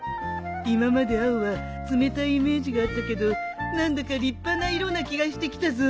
今まで青は冷たいイメージがあったけど何だか立派な色な気がしてきたぞ